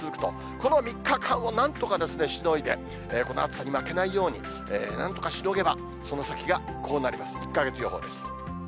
この３日間をなんとかしのいで、この暑さに負けないように、なんとかしのげば、その先がこうなります、１か月予報です。